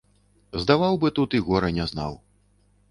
Здаваў бы тут і гора не знаў.